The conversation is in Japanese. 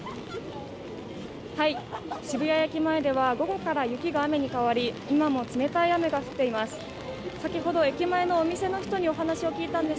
渋谷駅前では午後から雪が雨に変わり今も冷たい雨が降っています。